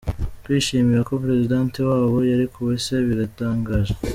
Kwishimira ko Présidente wabo yarekuwe se biratangaje ?